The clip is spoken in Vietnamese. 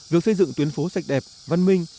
việc xây dựng tuyến phố sạch đẹp văn minh